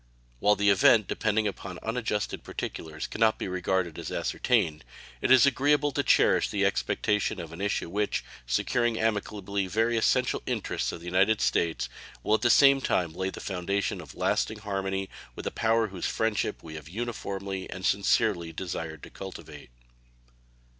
While the event depending upon unadjusted particulars can not be regarded as ascertained, it is agreeable to cherish the expectation of an issue which, securing amicably very essential interests of the United States, will at the same time lay the foundation of lasting harmony with a power whose friendship we have uniformly and sincerely desired to cultivate.